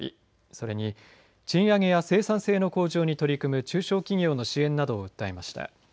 それに賃上げや生産性の向上に取り組む中小企業の支援などを訴えました。